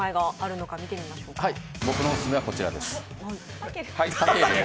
僕のオススメはこちらです。